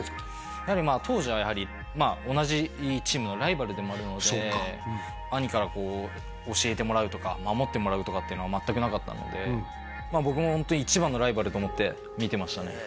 やはりまあ当時は同じチームのライバルでもあるので兄から教えてもらうとか守ってもらうとかっていうのは全くなかったので僕もホント一番のライバルと思って見てましたね